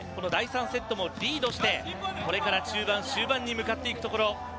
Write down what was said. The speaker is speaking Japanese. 第３セットもリードをしてこれから中盤、終盤に向かっていくところ。